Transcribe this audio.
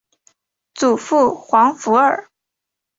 祖父黄福二。